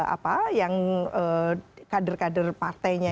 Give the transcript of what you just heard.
apa yang kader kader partainya